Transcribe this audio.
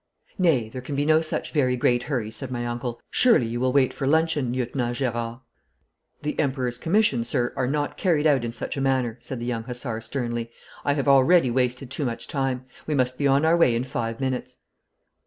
'Nay, there can be no such very great hurry,' said my uncle. 'Surely you will wait for luncheon, Lieutenant Gerard.' 'The Emperor's commissions, sir, are not carried out in such a manner,' said the young hussar sternly. 'I have already wasted too much time. We must be upon our way in five minutes.'